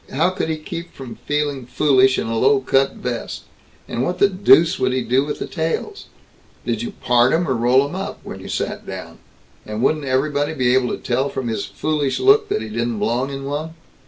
How could he keep from feeling foolish in a low cut vest, and what the deuce would he do with the tails? Did you part 'em or roll 'em up, when you sat down? And wouldn't everybody be able to tell from his foolish look that he didn't belong in one?"